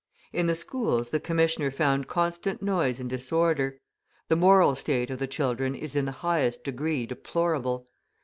In the schools the commissioner found constant noise and disorder. The moral state of the children is in the highest degree deplorable.